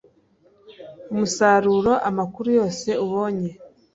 umusaruro amakuru yose ubonye